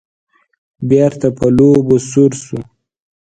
بېرته په لوبو سر شو.